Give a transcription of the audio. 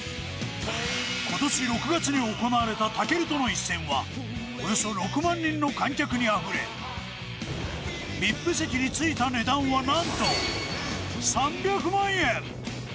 今年６月に行われた武尊との一戦はおよそ６万人の観客になり、ＶＩＰ席についた値段はなんと３００万円。